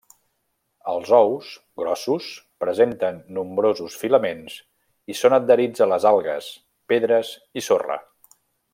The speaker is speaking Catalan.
Els ous, grossos, presenten nombrosos filaments i són adherits a les algues, pedres i sorra.